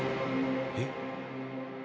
えっ。